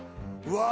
うわ！